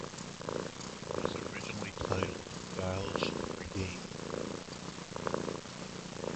It was originally titled, "Valis Regained".